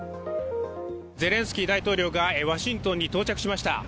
ゼレンスキー大統領がワシントンに到着しました。